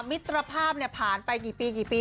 มิตรภาพผ่านไปหกปี